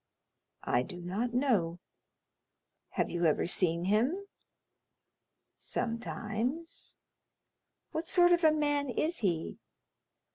"I do not know." "Have you ever seen him?" "Sometimes." "What sort of a man is he?"